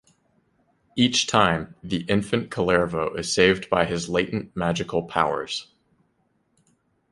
Each time, the infant Kullervo is saved by his latent magical powers.